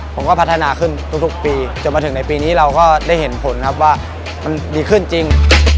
ผมก็พัฒนาขึ้นทุกปีจนมาถึงในปีนี้เราก็ได้เห็นผลครับว่ามันดีขึ้นจริง